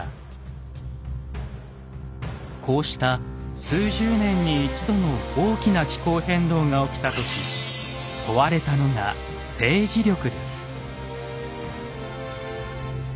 こうした数十年に一度の大きな気候変動が起きた時問われたのが政治力です。